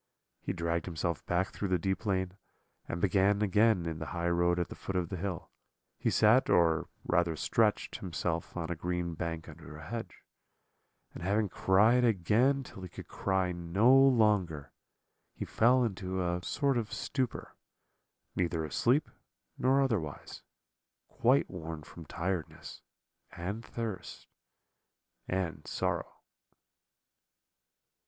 He dragged himself back through the deep lane, and being again in the highroad at the foot of the hill, he sat, or rather stretched, himself on a green bank under a hedge; and having cried again till he could cry no longer, he fell into a sort of stupor, neither asleep nor otherwise, quite worn with tiredness, and thirst, and sorrow.